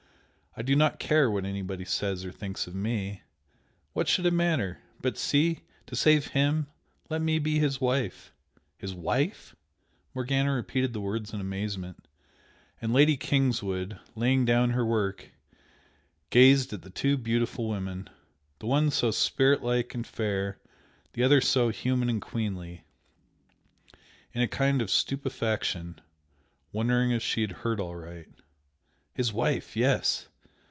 I do not care what anybody says or thinks of ME! what should it matter! But see! to save HIM let me be his wife!" "His wife!" Morgana repeated the words in amazement, and Lady Kingswood, laying down her work, gazed at the two beautiful women, the one so spiritlike and fair, the other so human and queenly, in a kind of stupefaction, wondering if she had heard aright. "His wife! Yes!"...